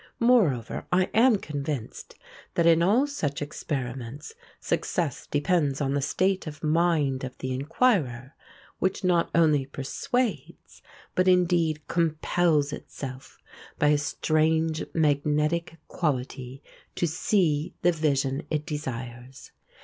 Moreover, I am convinced that in all such experiments success depends on the state of mind of the inquirer, which not only persuades, but indeed compels itself by a strange magnetic quality to see the vision it desires.